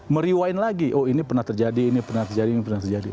merewind lagi oh ini pernah terjadi ini pernah terjadi ini pernah terjadi